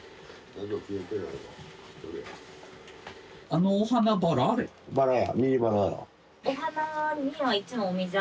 あのお花バラ？